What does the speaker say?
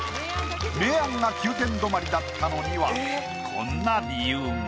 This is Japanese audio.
明暗が９点止まりだったのにはこんな理由が。